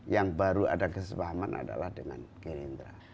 yang baru ada kesepahaman adalah dengan gerindra